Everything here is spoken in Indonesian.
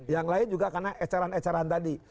yang lain juga karena ecaran ecaran tadi